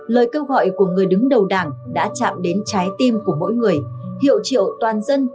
lời kêu gọi của người đứng đầu đảng đã chạm đến trái tim của mỗi người hiệu triệu toàn dân